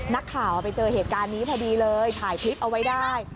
นักข่าวไปเจอเหตุการณ์นี้พอดีเลยถ่ายคลิปเอาไว้ได้